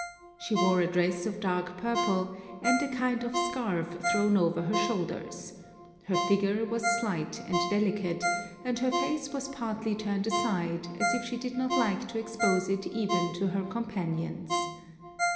She wore a dress of dark purple, and a kind of scarf thrown over her shoulders; her figure was slight and delicate, and her face was partly turned aside, as if she did not like to expose it even to her companions.